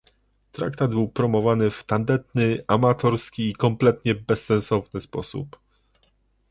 Traktat był promowany w tandetny, amatorski i kompletnie bezsensowny sposób